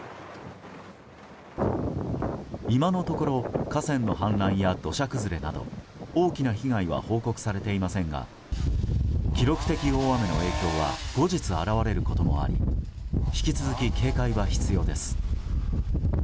今のところ河川の氾濫や土砂崩れなど大きな被害は報告されていませんが記録的大雨の影響は後日、現れることもあり引き続き、警戒は必要です。